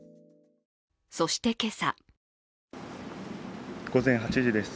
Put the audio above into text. そして、今朝午前８時です。